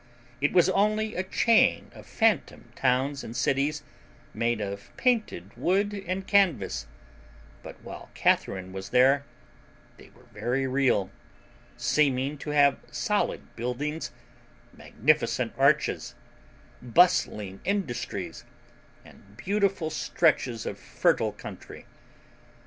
It was only a chain of fantom towns and cities, made of painted wood and canvas; but while Catharine was there they were very real, seeming to have solid buildings, magnificent arches, bustling industries, and beautiful stretches of fertile country.